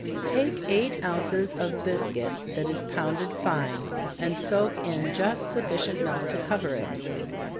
_ Take eight ounces of biscuit that is pounded fine, and soak it in just sufficient milk to cover it.